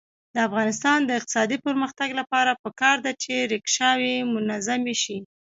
د افغانستان د اقتصادي پرمختګ لپاره پکار ده چې ریکشاوې منظمې شي.